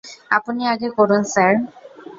আপনি আগে করুন, স্যার!